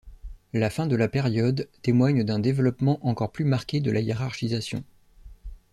La fin de la période témoigne d'un développement encore plus marqué de la hiérarchisation.